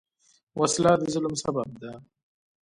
وسله د ظلم سبب ده